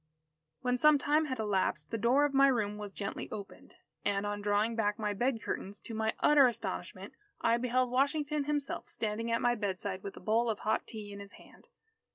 When some time had elapsed, the door of my room was gently opened. And, on drawing back my bed curtains, to my utter astonishment, I beheld Washington himself standing at my bedside with a bowl of hot tea in his hand.